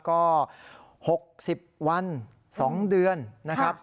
ก็๖๐วัน๒เดือนนะครับ